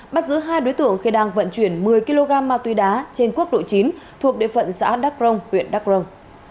bắt giữ hai đối tượng khi đang vận chuyển một mươi kg ma tuy đá trên quốc độ chín thuộc địa phận xã đắc rông huyện đắc rông